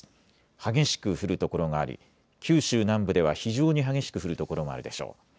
激しく降る所があり九州南部では非常に激しく降る所もあるでしょう。